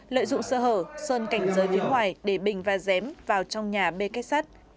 lợi dụng sờ hở sơn cảnh giới phía ngoài để bình và dém vào trong nhà bê kết sắt